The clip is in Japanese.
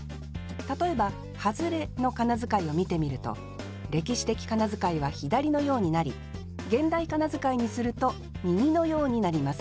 例えば「外れ」の仮名遣いを見てみると歴史的仮名遣いは左のようになり現代仮名遣いにすると右のようになります。